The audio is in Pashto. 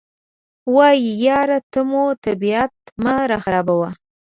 وایي یاره ته مو طبیعت مه راخرابوه.